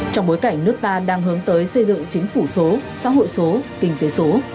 trong bối cảnh nước ta đang hướng tới xây dựng chính phủ số xã hội số kinh tế số